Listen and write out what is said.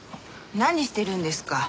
何してるんですか？